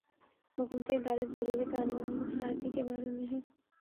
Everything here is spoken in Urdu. حکومتی ادارے ضروری قانون سازی کے بارے میں بے